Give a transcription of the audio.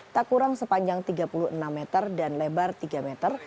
tak kurang sepanjang tiga puluh enam meter dan lebar tiga meter